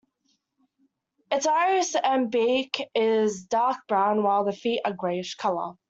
Its iris and beak is dark brown while the feet are a greyish colour.